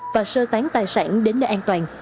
và sơ tán tài sản đến nơi an toàn